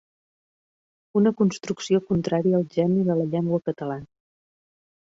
Una construcció contrària al geni de la llengua catalana.